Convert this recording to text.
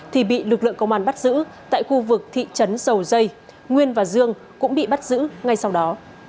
thì bị lực lượng công an bắt giữ tại khu vực thị trấn dầu dây nguyên và dương cũng bị bắt giữ ngay sau đó